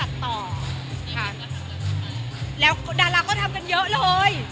ดาราก็ทำกันเยอะเลยแล้วดาราก็ทำกันเยอะเลย